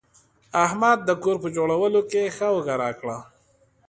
احمد د کور په جوړولو کې ښه اوږه راکړه.